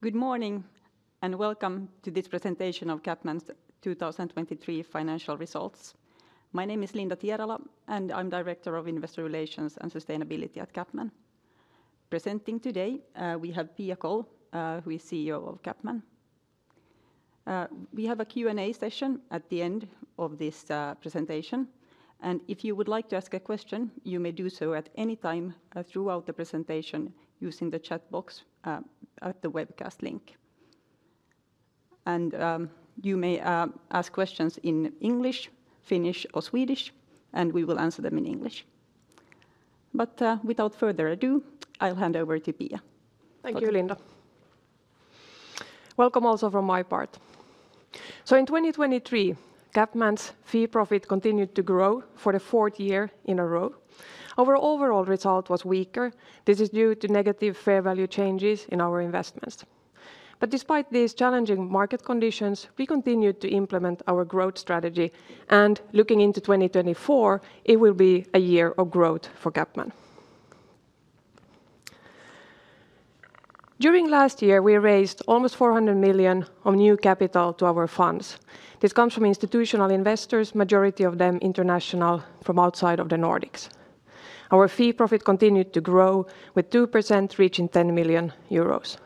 Good morning, and welcome to this presentation of CapMan's 2023 financial results. My name is Linda Tierala, and I'm Director of Investor Relations and Sustainability at CapMan. Presenting today, we have Pia Kåll, who is CEO of CapMan. We have a Q&A session at the end of this presentation, and if you would like to ask a question, you may do so at any time throughout the presentation using the chat box at the webcast link. You may ask questions in English, Finnish, or Swedish, and we will answer them in English. But, without further ado, I'll hand over to Pia. Thank you, Linda. Welcome also from my part. So in 2023, CapMan's fee profit continued to grow for the fourth year in a row. Our overall result was weaker. This is due to negative fair value changes in our investments. But despite these challenging market conditions, we continued to implement our growth strategy, and looking into 2024, it will be a year of growth for CapMan. During last year, we raised almost 400 million of new capital to our funds. This comes from institutional investors, majority of them international from outside of the Nordics. Our fee profit continued to grow with 2%, reaching 10 million euros.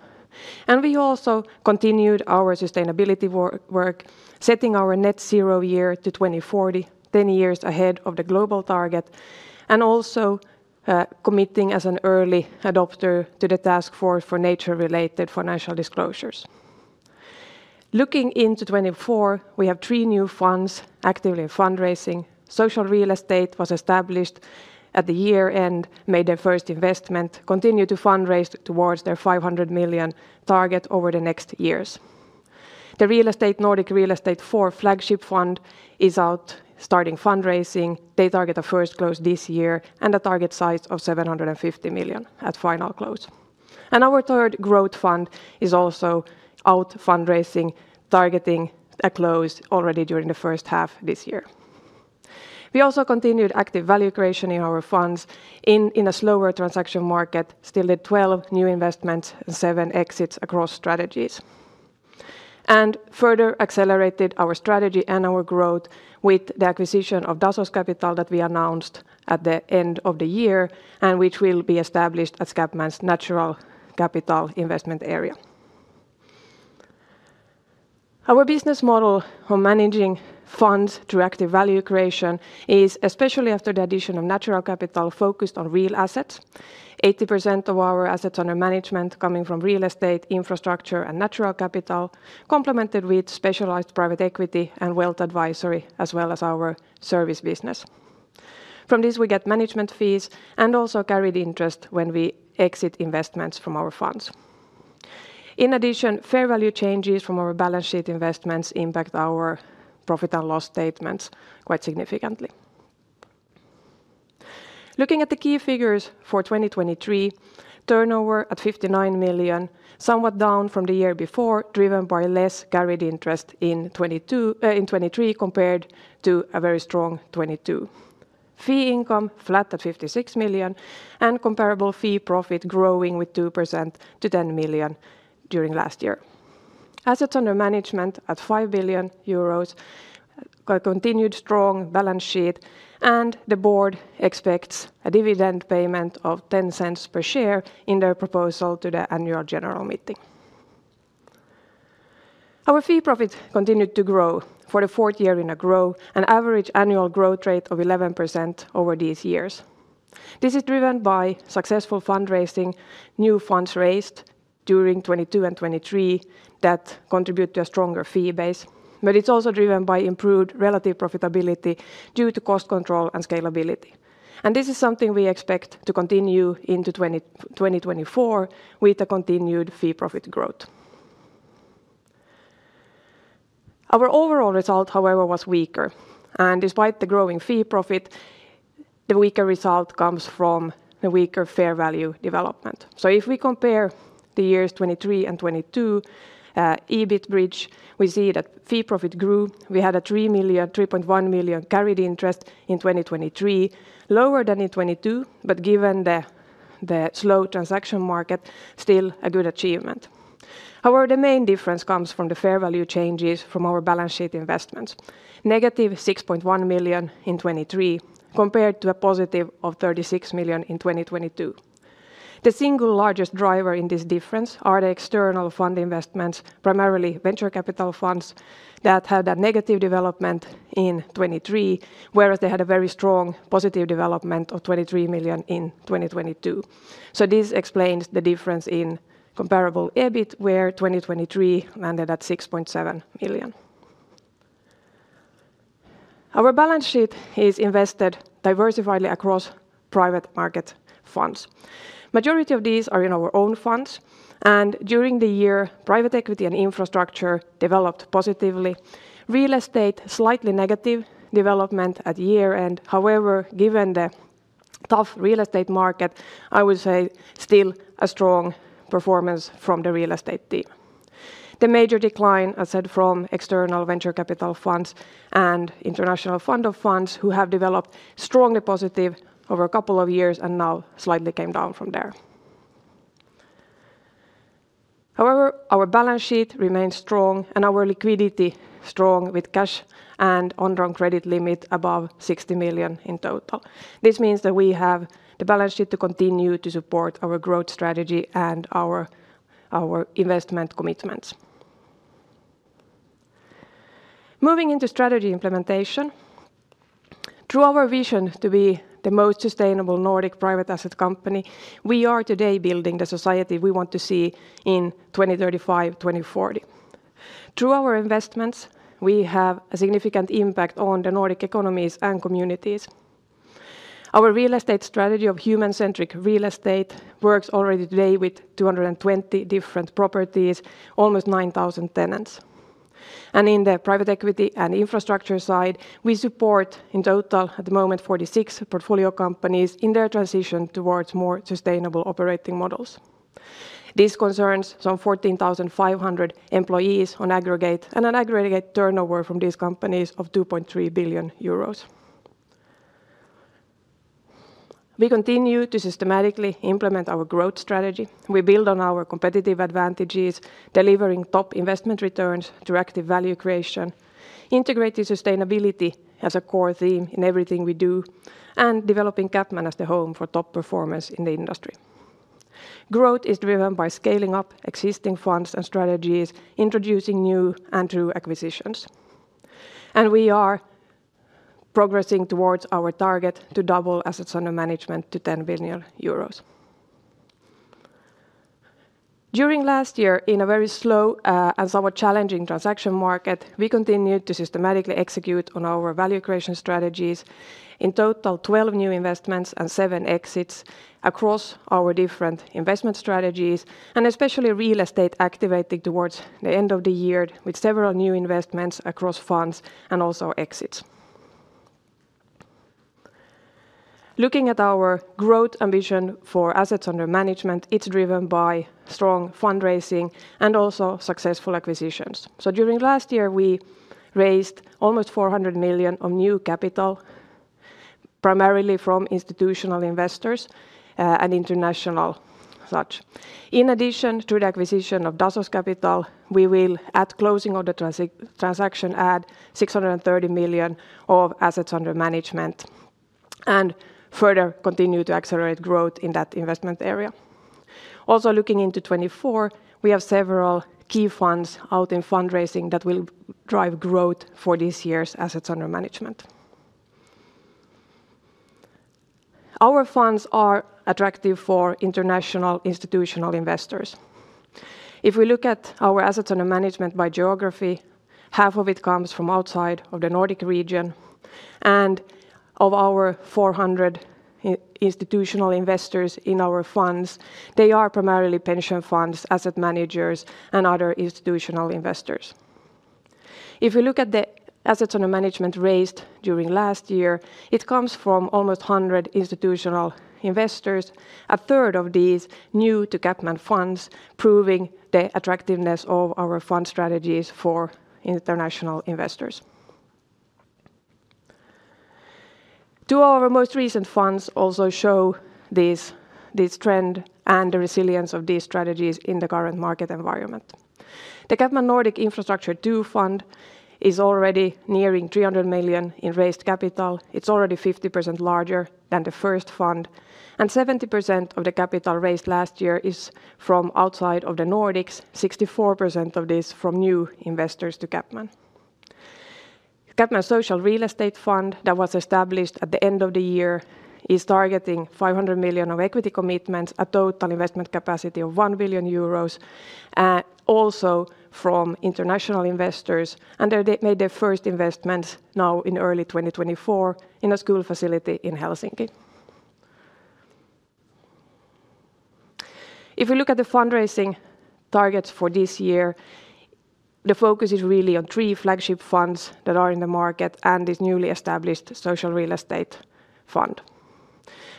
And we also continued our sustainability work, setting our Net Zero year to 2040, ten years ahead of the global target, and also committing as an early adopter to the Taskforce on Nature-related Financial Disclosures. Looking into 2024, we have three new funds actively fundraising. Social Real Estate was established at the year end, made their first investment, continue to fundraise towards their 500 million target over the next years. The real estate, Nordic Real Estate IV flagship fund is out starting fundraising. They target a first close this year and a target size of 750 million at final close. Our third growth fund is also out fundraising, targeting a close already during the first half this year. We also continued active value creation in our funds in a slower transaction market, still at 12 new investments and seven exits across strategies, and further accelerated our strategy and our growth with the acquisition of Dasos Capital that we announced at the end of the year and which will be established as CapMan's natural capital investment area. Our business model for managing funds through active value creation is, especially after the addition of natural capital, focused on real assets. 80% of our assets under management coming from real estate, infrastructure, and natural capital, complemented with specialized private equity and wealth advisory, as well as our service business. From this, we get management fees and also carried interest when we exit investments from our funds. In addition, fair value changes from our balance sheet investments impact our profit and loss statements quite significantly. Looking at the key figures for 2023, turnover at 59 million, somewhat down from the year before, driven by less carried interest in 2022, in 2023, compared to a very strong 2022. Fee income flat at 56 million, and comparable fee profit growing 2% to 10 million during last year. Assets under management at 5 billion euros, a continued strong balance sheet, and the Board expects a dividend payment of 0.10 per share in their proposal to the Annual General Meeting. Our fee profit continued to grow for the fourth year in a row, an average annual growth rate of 11% over these years. This is driven by successful fundraising, new funds raised during 2022 and 2023 that contribute to a stronger fee base, but it's also driven by improved relative profitability due to cost control and scalability. And this is something we expect to continue into 2024 with a continued fee profit growth. Our overall result, however, was weaker, and despite the growing fee profit, the weaker result comes from the weaker fair value development. So if we compare the years 2023 and 2022, EBIT bridge, we see that fee profit grew. We had 3.1 million carried interest in 2023, lower than in 2022, but given the slow transaction market, still a good achievement. However, the main difference comes from the fair value changes from our balance sheet investments, negative 6.1 million in 2023, compared to a positive of 36 million in 2022. The single largest driver in this difference are the external fund investments, primarily venture capital funds, that had a negative development in 2023, whereas they had a very strong positive development of 23 million in 2022. So this explains the difference in comparable EBIT, where 2023 landed at 6.7 million. Our balance sheet is invested diversifiedly across private market funds. Majority of these are in our own funds, and during the year, private equity and infrastructure developed positively. Real estate, slightly negative development at year end. However, given the tough real estate market, I would say still a strong performance from the real estate team. The major decline, as said, from external venture capital funds and international fund of funds, who have developed strongly positive over a couple of years and now slightly came down from there. However, our balance sheet remains strong and our liquidity strong, with cash and undrawn credit limit above 60 million in total. This means that we have the balance sheet to continue to support our growth strategy and our, our investment commitments. Moving into strategy implementation, through our vision to be the most sustainable Nordic private asset company, we are today building the society we want to see in 2035, 2040. Through our investments, we have a significant impact on the Nordic economies and communities. Our real estate strategy of human-centric real estate works already today with 220 different properties, almost 9,000 tenants. In the private equity and infrastructure side, we support in total, at the moment, 46 portfolio companies in their transition towards more sustainable operating models. This concerns some 14,500 employees on aggregate, and an aggregate turnover from these companies of 2.3 billion euros. We continue to systematically implement our growth strategy. We build on our competitive advantages, delivering top investment returns through active value creation, integrating sustainability as a core theme in everything we do, and developing CapMan as the home for top performers in the industry. Growth is driven by scaling up existing funds and strategies, introducing new and through acquisitions, and we are progressing towards our target to double assets under management to 10 billion euros. During last year, in a very slow, and somewhat challenging transaction market, we continued to systematically execute on our value creation strategies. In total, 12 new investments and seven exits across our different investment strategies, and especially real estate activated towards the end of the year, with several new investments across funds and also exits. Looking at our growth ambition for assets under management, it's driven by strong fundraising and also successful acquisitions. So during last year, we raised almost 400 million of new capital, primarily from institutional investors, and international such. In addition, through the acquisition of Dasos Capital, we will, at closing of the transaction, add 630 million of assets under management, and further continue to accelerate growth in that investment area. Also, looking into 2024, we have several key funds out in fundraising that will drive growth for this year's assets under management. Our funds are attractive for international institutional investors. If we look at our assets under management by geography, half of it comes from outside of the Nordic region, and of our 400 institutional investors in our funds, they are primarily pension funds, asset managers, and other institutional investors. If we look at the assets under management raised during last year, it comes from almost 100 institutional investors, a third of these new to CapMan funds, proving the attractiveness of our fund strategies for international investors. Do our most recent funds also show this, this trend and the resilience of these strategies in the current market environment? The CapMan Nordic Infrastructure II fund is already nearing 300 million in raised capital. It's already 50% larger than the first fund, and 70% of the capital raised last year is from outside of the Nordics, 64% of this from new investors to CapMan. CapMan Social Real Estate Fund that was established at the end of the year, is targeting 500 million of equity commitments, a total investment capacity of 1 billion euros, also from international investors, and they, they made their first investment now in early 2024 in a school facility in Helsinki. If we look at the fundraising targets for this year, the focus is really on three flagship funds that are in the market and this newly established Social Real Estate Fund.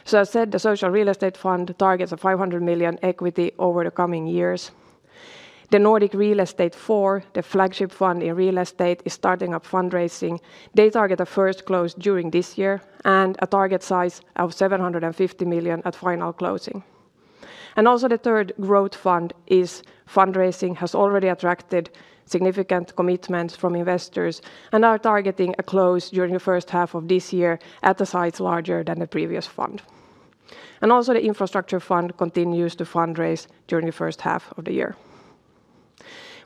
So as said, the Social Real Estate Fund targets a 500 million equity over the coming years. The Nordic Real Estate IV, the flagship fund in real estate, is starting up fundraising. They target a first close during this year, and a target size of 750 million at final closing. Also, the third growth fund is fundraising, has already attracted significant commitments from investors, and are targeting a close during the first half of this year at a size larger than the previous fund. Also, the infrastructure fund continues to fundraise during the first half of the year.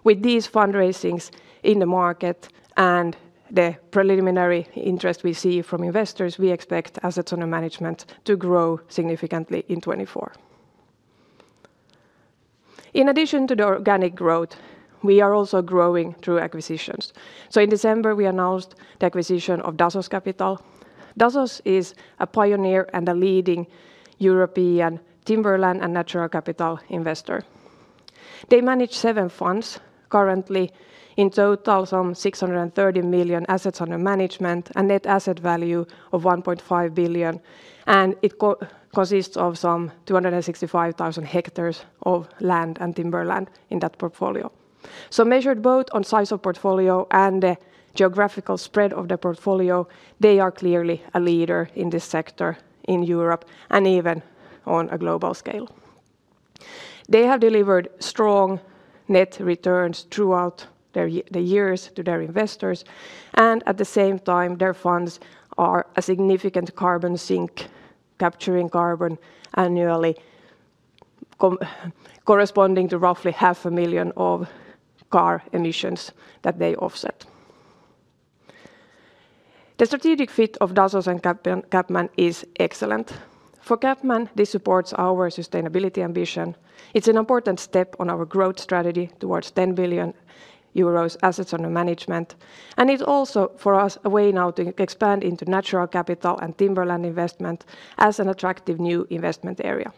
With these fundraisings in the market and the preliminary interest we see from investors, we expect assets under management to grow significantly in 2024. In addition to the organic growth, we are also growing through acquisitions. In December, we announced the acquisition of Dasos Capital. Dasos is a pioneer and a leading European timberland and natural capital investor. They manage 7 funds, currently in total, 630 million assets under management, and net asset value of 1.5 billion, and it consists of 265,000 hectares of land and timberland in that portfolio. So measured both on size of portfolio and the geographical spread of the portfolio, they are clearly a leader in this sector in Europe, and even on a global scale. They have delivered strong net returns throughout the years to their investors, and at the same time, their funds are a significant carbon sink, capturing carbon annually, corresponding to roughly 500,000 car emissions that they offset. The strategic fit of Dasos and CapMan, CapMan is excellent. For CapMan, this supports our sustainability ambition. It's an important step on our growth strategy towards 10 billion euros assets under management, and it's also, for us, a way now to expand into natural capital and timberland investment as an attractive new investment area.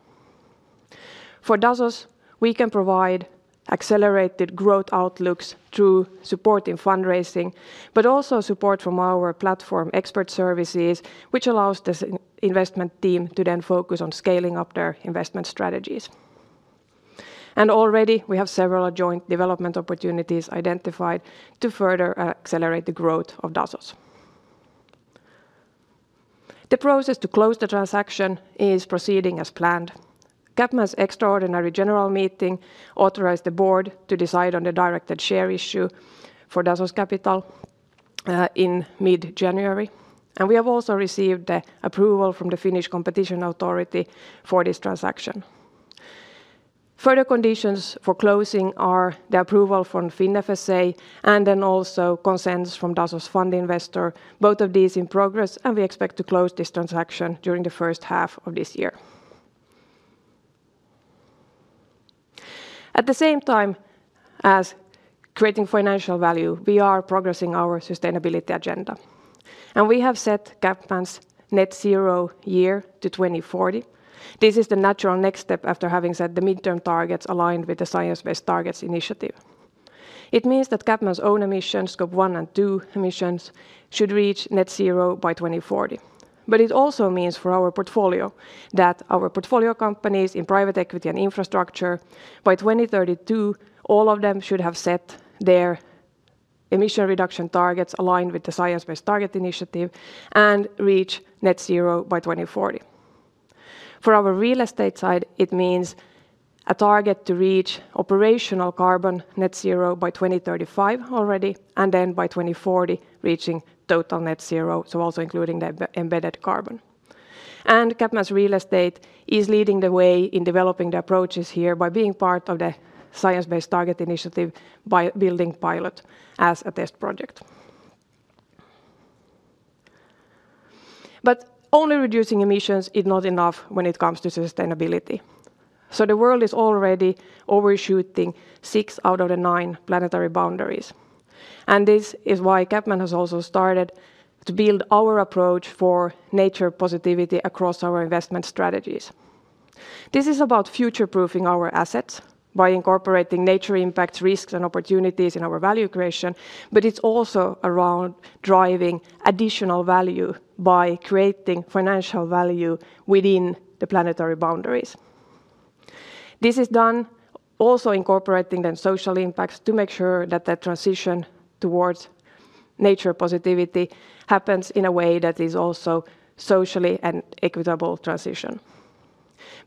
For Dasos, we can provide accelerated growth outlooks through support in fundraising, but also support from our platform expert services, which allows this investment team to then focus on scaling up their investment strategies. And already, we have several joint development opportunities identified to further accelerate the growth of Dasos. The process to close the transaction is proceeding as planned. CapMan's Extraordinary General Meeting authorized the Board to decide on the directed share issue for Dasos Capital in mid-January, and we have also received the approval from the Finnish Competition Authority for this transaction. Further conditions for closing are the approval from FinFSA, and then also consents from Dasos fund investor, both of these in progress, and we expect to close this transaction during the first half of this year. At the same time as creating financial value, we are progressing our sustainability agenda, and we have set CapMan's net zero year to 2040. This is the natural next step after having set the midterm targets aligned with the Science Based Targets initiative. It means that CapMan's own emissions, Scope 1 and 2 emissions, should reach net zero by 2040. But it also means for our portfolio, that our portfolio companies in private equity and infrastructure, by 2032, all of them should have set their emission reduction targets aligned with the Science Based Targets initiative and reach net zero by 2040. For our real estate side, it means a target to reach operational carbon net zero by 2035 already, and then by 2040, reaching total net zero, so also including the embedded carbon. CapMan's real estate is leading the way in developing the approaches here by being part of the Science Based Targets initiative by building pilot as a test project. Only reducing emissions is not enough when it comes to sustainability. The world is already overshooting six out of the nine planetary boundaries, and this is why CapMan has also started to build our approach for nature positivity across our investment strategies. This is about future-proofing our assets by incorporating nature impacts, risks, and opportunities in our value creation, but it's also around driving additional value by creating financial value within the planetary boundaries. This is done also incorporating the social impacts to make sure that the transition towards nature positivity happens in a way that is also socially and equitable transition.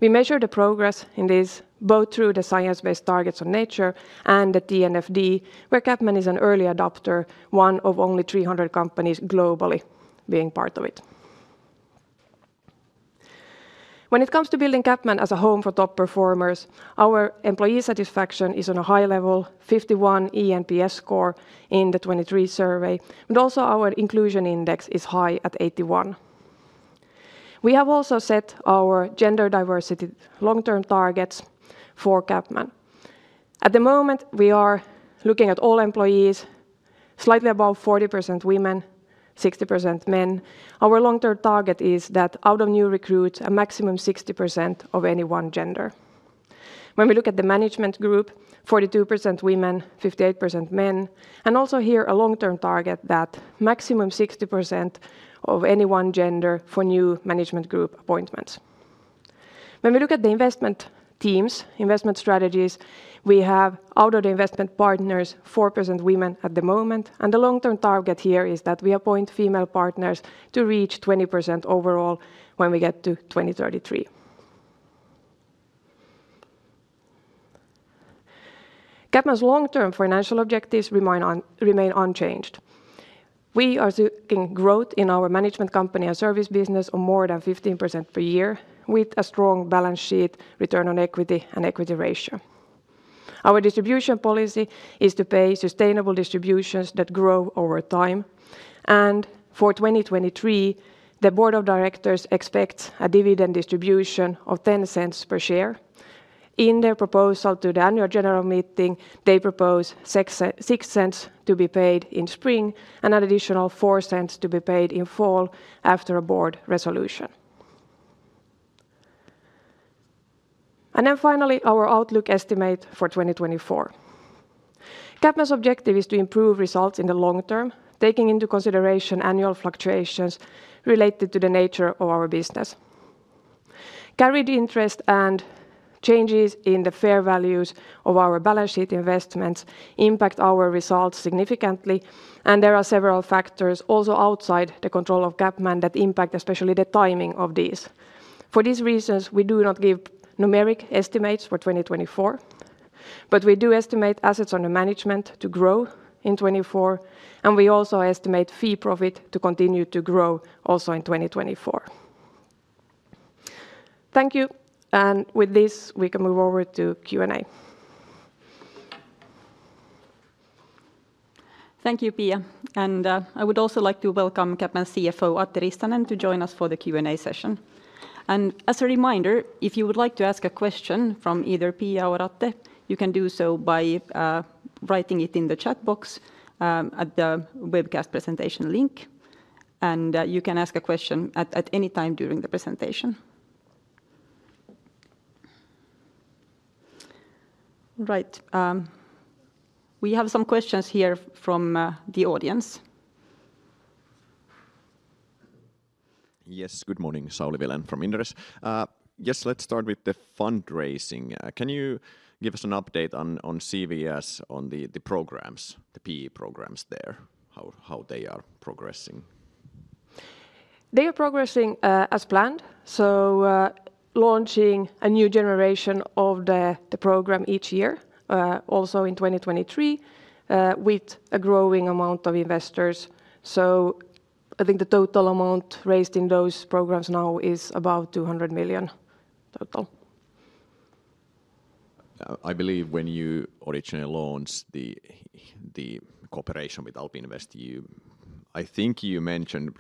We measure the progress in this, both through the Science Based Targets of Nature and the TNFD, where CapMan is an early adopter, one of only 300 companies globally being part of it. When it comes to building CapMan as a home for top performers, our employee satisfaction is on a high level, 51 eNPS score in the 2023 survey, but also our inclusion index is high at 81. We have also set our gender diversity long-term targets for CapMan. At the moment, we are looking at all employees, slightly above 40% women, 60% men. Our long-term target is that out of new recruits, a maximum 60% of any one gender. When we look at the Management Group, 42% women, 58% men, and also here, a long-term target that maximum 60% of any one gender for new Management Group appointments. When we look at the investment teams, investment strategies, we have out of the investment partners, 4% women at the moment, and the long-term target here is that we appoint female partners to reach 20% overall when we get to 2033. CapMan's long-term financial objectives remain unchanged. We are seeking growth in our management company and service business of more than 15% per year, with a strong balance sheet, return on equity, and equity ratio. Our distribution policy is to pay sustainable distributions that grow over time, and for 2023, the Board of Directors expects a dividend distribution of 0.10 per share. In their proposal to the Annual General Meeting, they propose 0.06 to be paid in spring and an additional 0.04 to be paid in fall after a Board Resolution. Then finally, our outlook estimate for 2024. CapMan's objective is to improve results in the long term, taking into consideration annual fluctuations related to the nature of our business, carried interest and changes in the fair values of our balance sheet investments impact our results significantly, and there are several factors also outside the control of CapMan that impact, especially the timing of these. For these reasons, we do not give numeric estimates for 2024, but we do estimate assets under management to grow in 2024, and we also estimate fee profit to continue to grow also in 2024. Thank you, and with this, we can move over to Q&A. Thank you, Pia. And, I would also like to welcome CapMan CFO, Atte Rissanen, to join us for the Q&A session. As a reminder, if you would like to ask a question from either Pia or Atte, you can do so by writing it in the chat box at the webcast presentation link, and you can ask a question at any time during the presentation. Right. We have some questions here from the audience. Yes, good morning. Sauli Vilén from Inderes. Yes, let's start with the fundraising. Can you give us an update on CaPS, on the programs, the PE programs there, how they are progressing? They are progressing as planned. So, launching a new generation of the, the program each year, also in 2023, with a growing amount of investors. So I think the total amount raised in those programs now is about 200 million total. I believe when you originally launched the cooperation with AlpInvest, I think you mentioned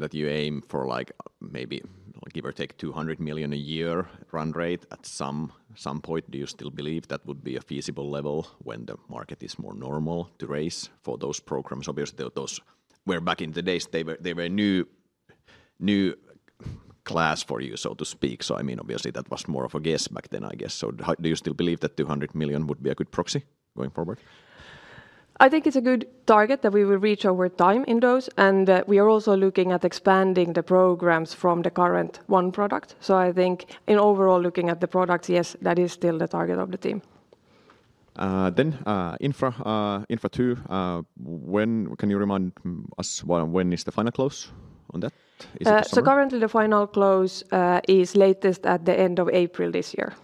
that you aim for, like, maybe, give or take, 200 million a year run rate at some point. Do you still believe that would be a feasible level when the market is more normal to raise for those programs? Obviously, those were back in the days; they were new class for you, so to speak. So, I mean, obviously, that was more of a guess back then, I guess. Do you still believe that 200 million would be a good proxy going forward? I think it's a good target that we will reach over time in those, and, we are also looking at expanding the programs from the current one product. So I think in overall looking at the products, yes, that is still the target of the team. Then, Infra II, can you remind us when, when is the final close on that? Is it summer? So currently the final close is latest at the end of April this year.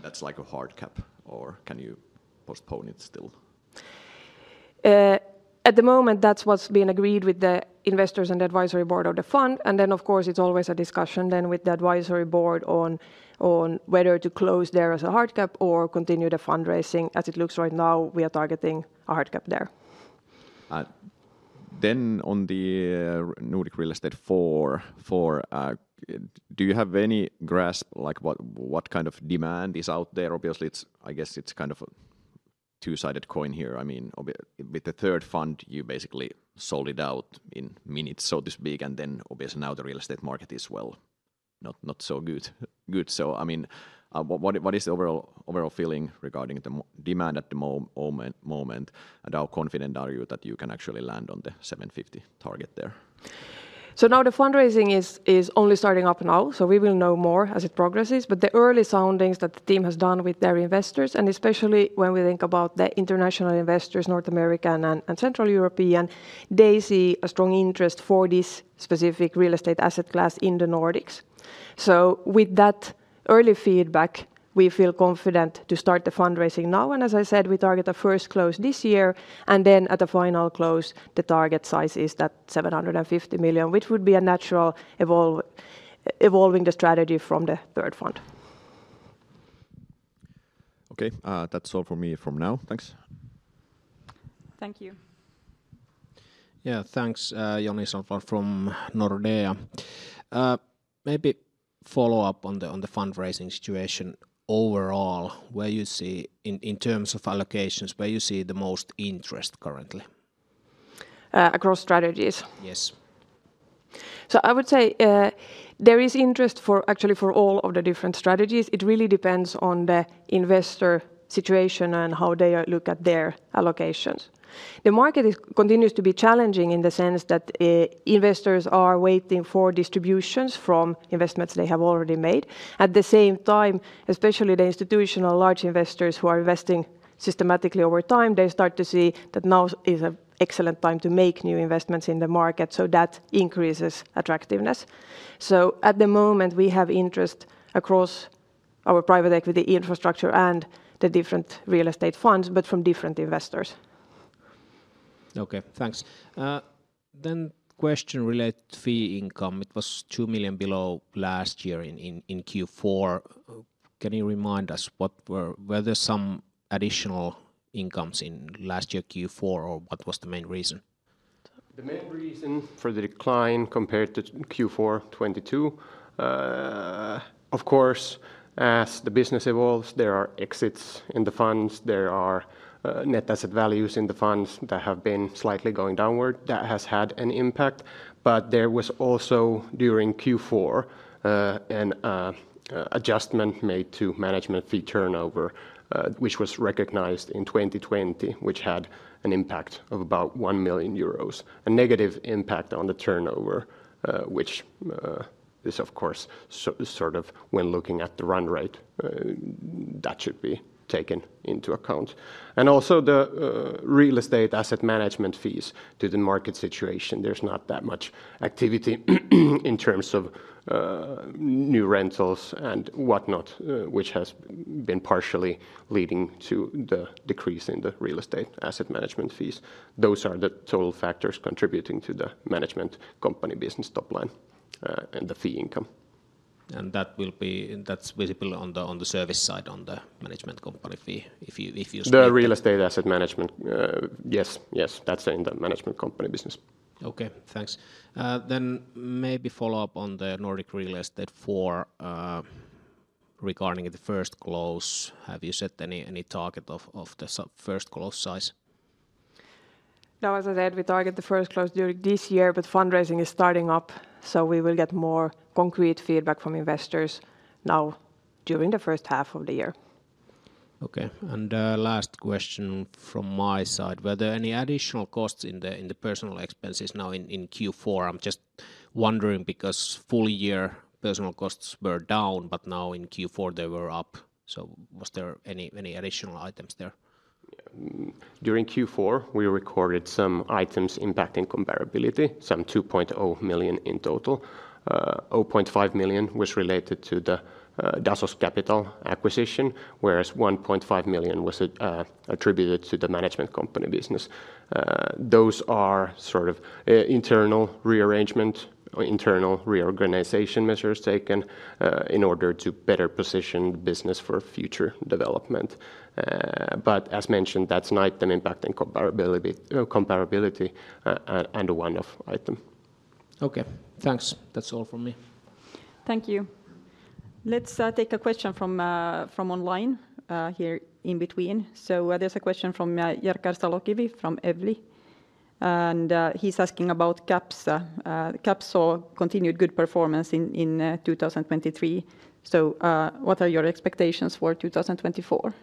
That's like a hard cap, or can you postpone it still? At the moment, that's what's been agreed with the investors and the Advisory Board of the Fund. And then, of course, it's always a discussion then with the Advisory Board on whether to close there as a hard cap or continue the fundraising. As it looks right now, we are targeting a hard cap there. Then on the Nordic Real Estate IV, do you have any grasp, like, what kind of demand is out there? Obviously, I guess it's kind of a two-sided coin here. I mean, with the third fund, you basically sold it out in minutes, so to speak, and then obviously now the real estate market is, well, not so good. So I mean, what is the overall feeling regarding the demand at the moment, and how confident are you that you can actually land on the 750 million target there? So now the fundraising is only starting up now, so we will know more as it progresses. But the early soundings that the team has done with their investors, and especially when we think about the international investors, North American and Central European, they see a strong interest for this specific real estate asset class in the Nordics. So with that early feedback, we feel confident to start the fundraising now, and as I said, we target the first close this year, and then at the final close, the target size is 750 million, which would be a natural evolving the strategy from the third fund. Okay, that's all for me for now. Thanks. Thank you. Yeah, thanks. Joni Sandvall from Nordea. Maybe follow up on the fundraising situation overall, where you see in terms of allocations, where you see the most interest currently? Across strategies? Yes. So I would say, there is interest for, actually, for all of the different strategies. It really depends on the investor situation and how they look at their allocations. The market continues to be challenging in the sense that, investors are waiting for distributions from investments they have already made. At the same time, especially the institutional large investors who are investing systematically over time, they start to see that now is an excellent time to make new investments in the market, so that increases attractiveness. So at the moment, we have interest across our private equity infrastructure and the different real estate funds, but from different investors. Okay, thanks. Then question related fee income. It was 2 million below last year in Q4. Can you remind us what were there some additional incomes in last year, Q4, or what was the main reason? The main reason for the decline compared to Q4 2022, of course, as the business evolves, there are exits in the funds, there are net asset values in the funds that have been slightly going downward. That has had an impact. But there was also, during Q4, an adjustment made to management fee turnover, which was recognized in 2020, which had an impact of about 1 million euros, a negative impact on the turnover, which, this, of course, so sort of when looking at the run rate, that should be taken into account. And also the real estate asset management fees to the market situation, there's not that much activity in terms of new rentals and whatnot, which has been partially leading to the decrease in the real estate asset management fees. Those are the total factors contributing to the management company business top line, and the fee income. That's visible on the service side, on the management company fee, if you, if you- The real estate asset management, yes, yes, that's in the management company business. Okay, thanks. Then maybe follow up on the Nordic Real Estate IV regarding the first close, have you set any target of the first close size? No, as I said, we target the first close during this year, but fundraising is starting up, so we will get more concrete feedback from investors now during the first half of the year. Okay, and, last question from my side: were there any additional costs in the personal expenses now in Q4? I'm just wondering because full year personal costs were down, but now in Q4, they were up. So was there any additional items there? During Q4, we recorded some items impacting comparability, some 2.0 million in total. 0.5 million was related to the Dasos Capital acquisition, whereas 1.5 million was attributed to the management company business. Those are sort of internal rearrangement or internal reorganization measures taken in order to better position the business for future development. But as mentioned, that's not an impact in comparability, and a one-off item. Okay, thanks. That's all from me. Thank you. Let's take a question from from online here in between. So there's a question from Jerker Salokivi from Evli, and he's asking about CaPS. CaPS continued good performance in in 2023. So what are your expectations for 2024?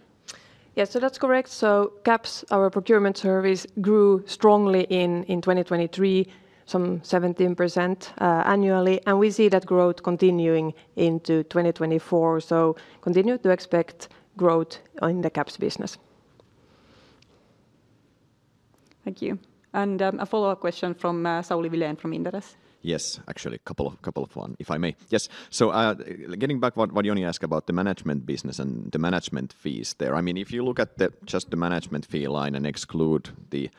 Yeah, so that's correct. So CaPS, our procurement service, grew strongly in 2023, some 17% annually, and we see that growth continuing into 2024. So continue to expect growth in the CaPS business. Thank you. A follow-up question from Sauli Vilén from Inderes. Yes, actually, a couple of- couple of one, if I may. Yes, so, getting back what, what Joni asked about the management business and the management fees there. I mean, if you look at the, just the management fee line and exclude the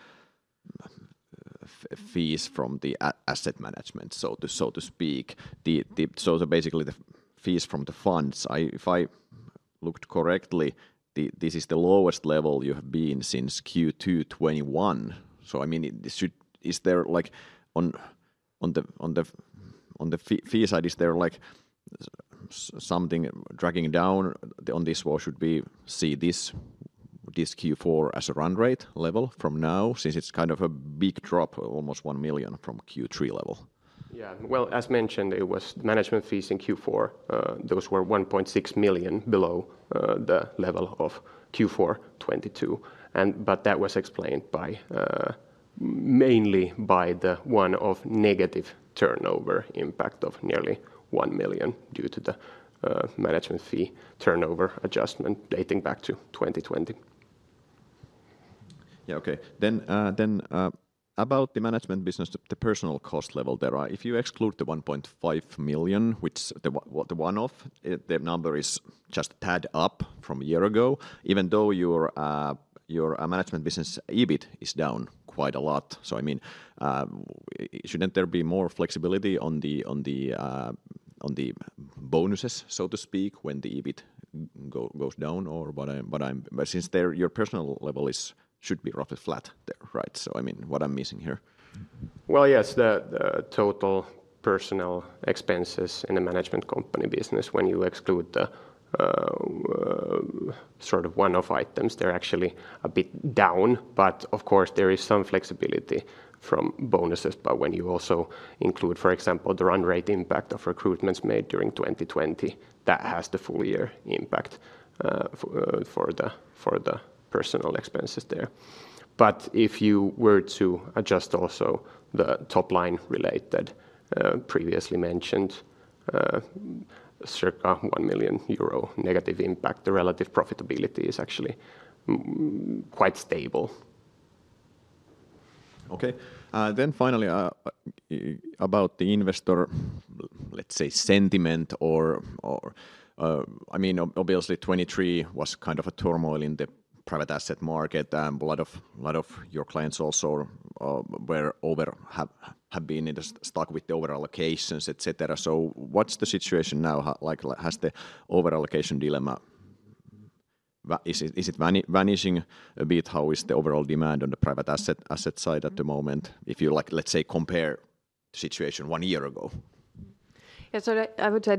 fees from the asset management, so to, so to speak, the, the- so the basically the fees from the funds, if I looked correctly, this is the lowest level you have been since Q2 2021. So I mean, it should, Is there, like, on, on the, on the fee side, is there, like, something dragging down on this, or should we see this Q4 as a run rate level from now, since it's kind of a big drop, almost 1 million from Q3 level? Yeah. Well, as mentioned, it was management fees in Q4. Those were 1.6 million below the level of Q4 2022. And but that was explained by mainly by the one of negative turnover impact of nearly 1 million due to the management fee turnover adjustment dating back to 2020. Yeah, okay. Then, about the management business, the personnel cost level there, if you exclude the 1.5 million, which the one-off, the number is just a tad up from a year ago, even though your management business EBIT is down quite a lot. So I mean, shouldn't there be more flexibility on the bonuses, so to speak, when the EBIT goes down? Or but I'm, but I'm, but since there, your personnel level is- should be roughly flat there, right? So I mean, what I'm missing here? Well, yes, the total personnel expenses in the management company business, when you exclude the sort of one-off items, they're actually a bit down. But of course, there is some flexibility from bonuses. But when you also include, for example, the run rate impact of recruitments made during 2020, that has the full year impact for the personnel expenses there. But if you were to adjust also the top line related previously mentioned circa 1 million euro negative impact, the relative profitability is actually quite stable. Okay. Then finally, about the investor, let's say, sentiment or I mean, obviously, 2023 was kind of a turmoil in the private asset market, and a lot of your clients also were over have been in the stock with the over-allocations, et cetera. So what's the situation now? Like, has the over-allocation dilemma, is it vanishing a bit? How is the overall demand on the private asset side at the moment, if you, like, let's say, compare the situation one year ago? Yeah, so I would say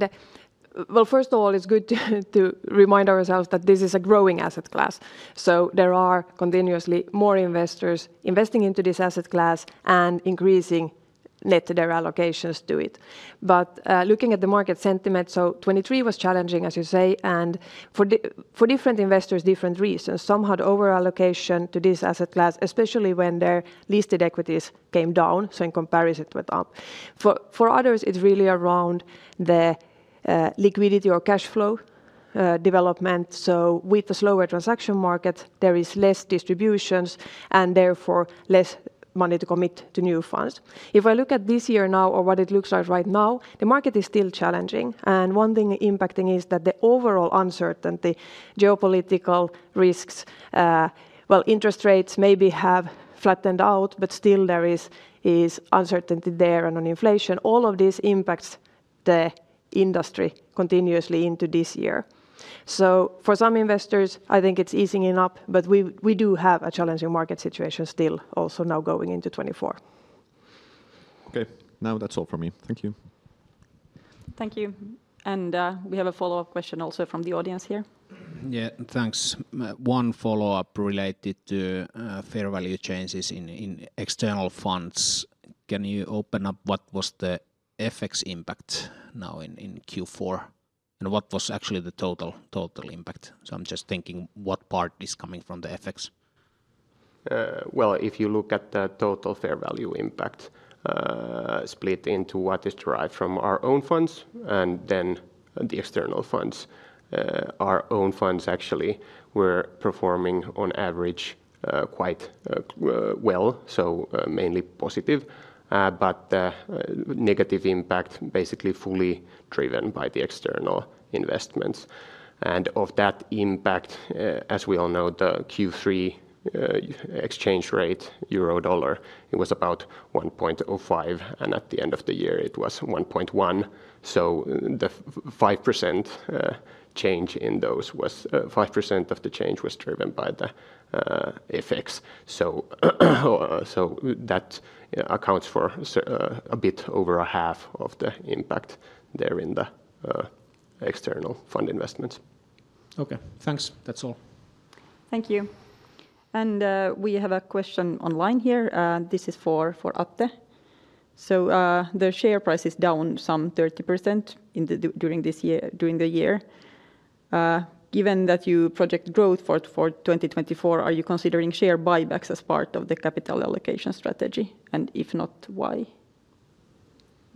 that, well, first of all, it's good to remind ourselves that this is a growing asset class. So there are continuously more investors investing into this asset class and increasing net their allocations to it. But, looking at the market sentiment, so 2023 was challenging, as you say, and for different investors, different reasons. Some had over-allocation to this asset class, especially when their listed equities came down, so in comparison with that. For others, it's really around the liquidity or cash flow development, so with the slower transaction market, there is less distributions and therefore less money to commit to new funds. If I look at this year now or what it looks like right now, the market is still challenging, and one thing impacting is that the overall uncertainty, geopolitical risks, interest rates maybe have flattened out, but still there is uncertainty there and on inflation. All of this impacts the industry continuously into this year. So for some investors, I think it's easing up, but we do have a challenging market situation still also now going into 2024. Okay. Now that's all from me. Thank you. Thank you. And, we have a follow-up question also from the audience here. Yeah, thanks. One follow-up related to Fair Value Changes in external funds. Can you open up what was the FX impact now in Q4, and what was actually the total, total impact? So I'm just thinking what part is coming from the FX. Well, if you look at the total fair value impact, split into what is derived from our own funds and then the external funds, our own funds actually were performing on average, quite well, so mainly positive. But the negative impact basically fully driven by the external investments. And of that impact, as we all know, the Q3 exchange rate, euro dollar, it was about 1.05, and at the end of the year it was 1.1. So the 5% change in those was 5% of the change was driven by the effects. So that accounts for a bit over a half of the impact there in the external fund investments. Okay, thanks. That's all. Thank you. And, we have a question online here, this is for Atte. So, the share price is down some 30% during the year. Given that you project growth for 2024, are you considering share buybacks as part of the capital allocation strategy, and if not, why?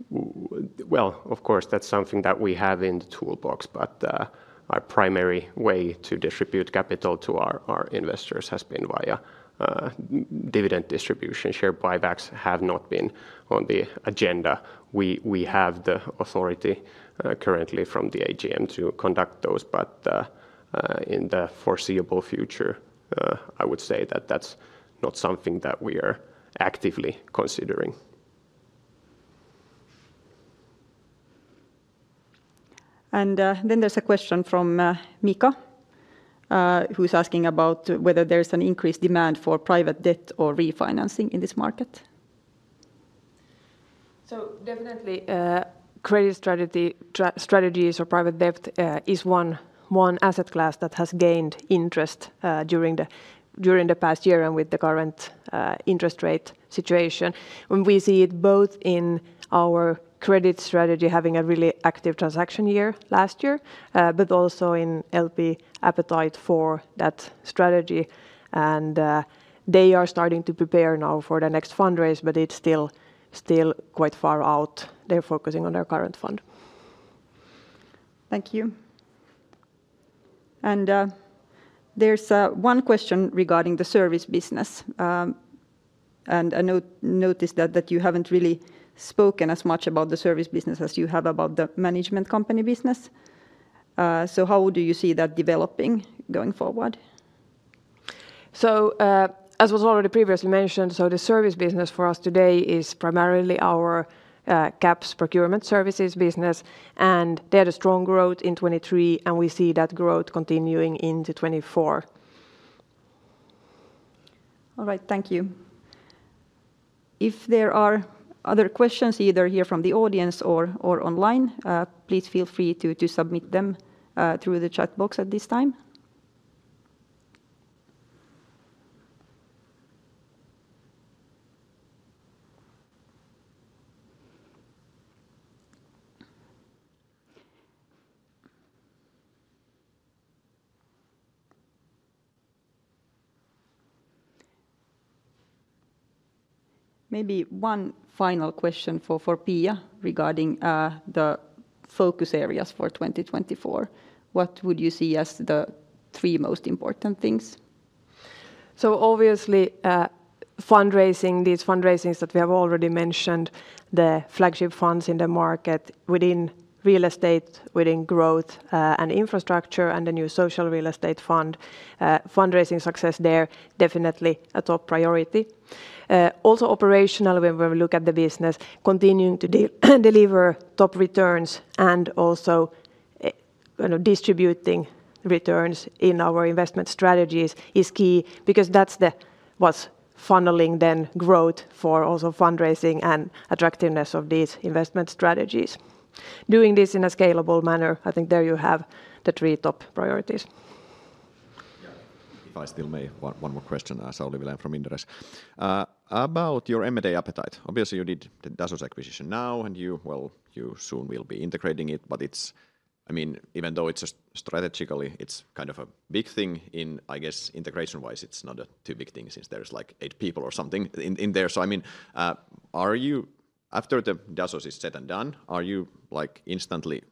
Well, of course, that's something that we have in the toolbox, but our primary way to distribute capital to our investors has been via dividend distribution. Share buybacks have not been on the agenda. We have the authority currently from the AGM to conduct those, but in the foreseeable future, I would say that that's not something that we are actively considering. Then there's a question from Mika, who's asking about whether there's an increased demand for private debt or refinancing in this market. So definitely, credit strategies or private debt is one asset class that has gained interest during the past year and with the current interest rate situation. When we see it both in our credit strategy having a really active transaction year last year, but also in LP appetite for that strategy. And they are starting to prepare now for the next fundraise, but it's still quite far out. They're focusing on their current fund. Thank you. There's one question regarding the service business, and I noticed that you haven't really spoken as much about the service business as you have about the management company business. So how do you see that developing going forward? As was already previously mentioned, so the service business for us today is primarily our CaPS Procurement Services business, and they had a strong growth in 2023, and we see that growth continuing into 2024. All right, thank you. If there are other questions, either here from the audience or online, please feel free to submit them through the chat box at this time. Maybe one final question for Pia regarding the focus areas for 2024. What would you see as the three most important things? So obviously, fundraising, these fundraisings that we have already mentioned, the flagship funds in the market within real estate, within growth, and infrastructure, and the new Social Real Estate Fund, fundraising success there, definitely a top priority. Also operational, when we look at the business, continuing to deliver top returns and also, you know, distributing returns in our investment strategies is key because that's the, what's funneling then growth for also fundraising and attractiveness of these investment strategies. Doing this in a scalable manner, I think there you have the three top priorities. Yeah, if I still may, one more question. Sauli Vilén from Inderes. About your M&A appetite, obviously, you did the Dasos acquisition now, and you, well, you soon will be integrating it, but it's I mean, even though it's a strategically, it's kind of a big thing in, I guess, integration-wise, it's not a too big thing since there is, like, eight people or something in, in there. So I mean, are you, after the Dasos is said and done, are you, like, instantly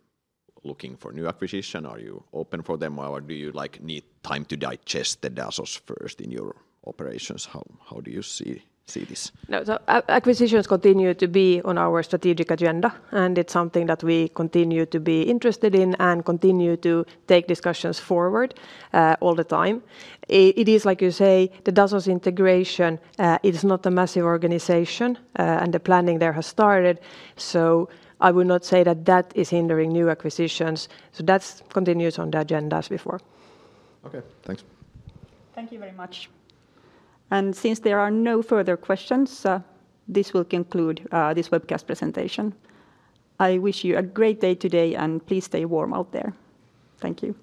looking for new acquisition? Are you open for them, or do you, like, need time to digest the Dasos first in your operations? How do you see this? No, so acquisitions continue to be on our strategic agenda, and it's something that we continue to be interested in and continue to take discussions forward all the time. It is, like you say, the Dasos integration is not a massive organization, and the planning there has started. So I would not say that that is hindering new acquisitions, so that continues on the agenda as before. Okay, thanks. Thank you very much. Since there are no further questions, this will conclude this webcast presentation. I wish you a great day today, and please stay warm out there. Thank you.